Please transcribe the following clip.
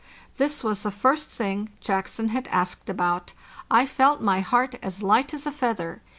This was the first thing Jackson had asked about. I felt my heart as light as a feather.